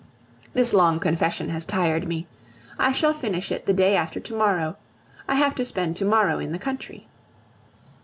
This long confession has tired me. I shall finish it the day after to morrow; I have to spend to morrow in the country.